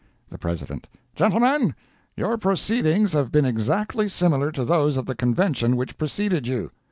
The President—"Gentlemen, your proceedings have been exactly similar to those of the convention which preceded you.